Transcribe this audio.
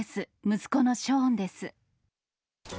息子のショーンです。